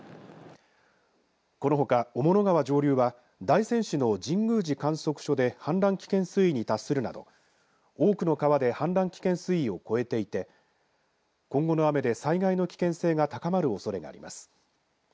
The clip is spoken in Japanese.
このほか、雄物川上流は大仙市の神宮寺観測所で氾濫危険水位に達するなど多くの川で氾濫危険水位を超えていて今後の雨で災害の危険性が高まるおそれがあります。